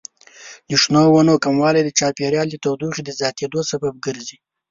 د شنو ونو کموالی د چاپیریال د تودوخې زیاتیدو سبب ګرځي.